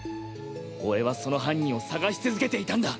俺はその犯人を捜し続けていたんだ！